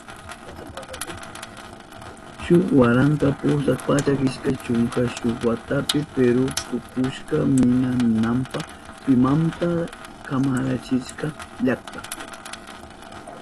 Shuk waranka pusak pachak ishkay chunka shuk watapi Peru tukushka nima pimanta kamachirishka llakta.